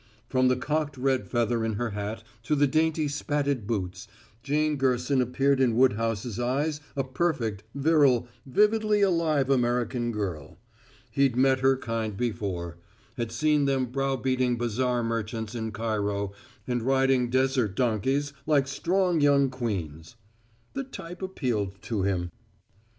From the cocked red feather in her hat to the dainty spatted boots Jane Gerson appeared in Woodhouse's eyes a perfect, virile, vividly alive American girl. He'd met her kind before; had seen them browbeating bazaar merchants in Cairo and riding desert donkeys like strong young queens. The type appealed to him.